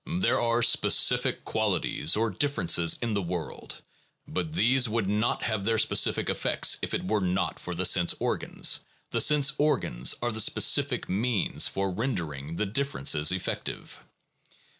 There are specific qualities or differences in the world, but these would not have their specific effects if it were not for the sense organs: the sense organs are the specific means for rendering the differences ef fective.